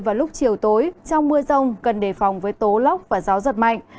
và lúc chiều tối trong mưa rông cần đề phòng với tố lóc và gió giật mạnh